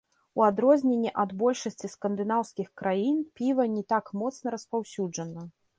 У адрозненне ад большасці скандынаўскіх краін піва не так моцна распаўсюджана.